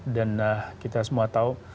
dan kita semua tahu